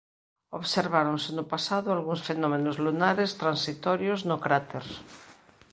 Observáronse no pasado algúns fenómenos lunares transitorios no cráter.